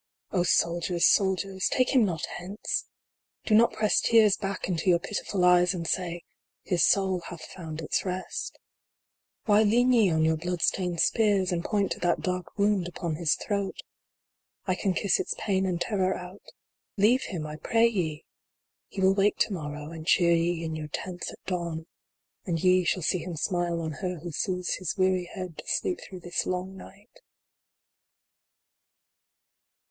III. soldiers, soldiers, take him not hence ! Do not press tears back into your pitiful eyes, and say :" His soul hath found its rest" Why lean ye on your blood stained spears, and point to that dark wound upon his throat ? 1 can kiss its pain and terror out Leave him, I pray ye ! He will wake to morrow, and cheer ye in your tents at dawn. And ye shall see him smile on her who soothes his weary head to sleep through this long night.